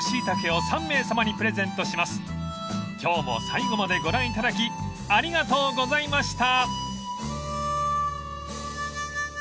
［今日も最後までご覧いただきありがとうございました］